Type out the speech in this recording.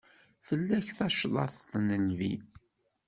Fell-ak tacḍaḍt n Nnbi.